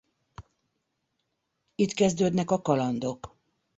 Itt kezdődnek a kalandok.